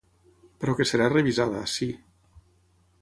Però que serà revisada, sí.